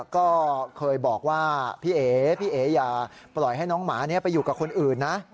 ก็เคยบอกว่าพี่เอ๋พี่เอ๋อย่าปล่อยให้น้องหมานี้ไปอยู่กับคนอื่นนะ